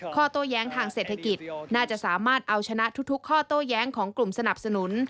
โต้แย้งทางเศรษฐกิจน่าจะสามารถเอาชนะทุกข้อโต้แย้งของกลุ่มสนับสนุน